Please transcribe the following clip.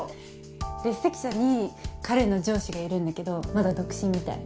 列席者に彼の上司がいるんだけどまだ独身みたい。